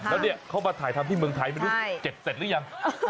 แล้วเนี่ยเขามาถ่ายทำที่เมืองไทยไม่รู้เก็บเสร็จหรือยัง